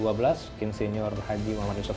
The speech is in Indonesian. ke dua belas insenior haji muhammad yusuf